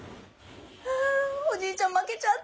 あおじいちゃん負けちゃったの。